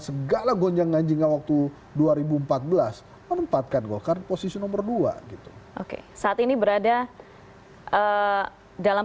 segala gonjang nganjingnya waktu dua ribu empat belas merempatkan gokar posisi nomor dua saat ini berada dalam